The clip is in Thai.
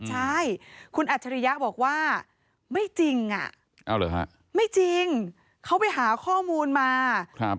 ใช่คุณอัจฉริยะบอกว่าไม่จริงอ่ะไม่จริงเขาไปหาข้อมูลมา